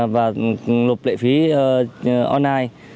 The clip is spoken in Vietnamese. và lộp lệ phí online